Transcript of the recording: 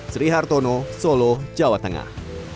sri hartono solo jawa tengah